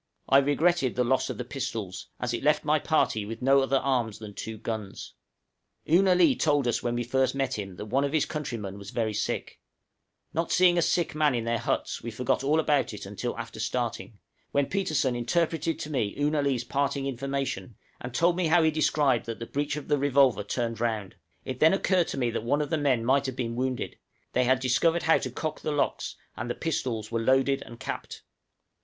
I regretted the loss of the pistols, as it left my party with no other arms than two guns. Oo na lee told us when we first met him that one of his countrymen was very sick; not seeing a sick man in their huts, we forgot all about it until after starting, when Petersen interpreted to me Oo na lee's parting information, and told me how he described that the breech of the revolver turned round; it then occurred to me that one of the men might have been wounded, they had discovered how to cock the locks, and the pistols were loaded and capped.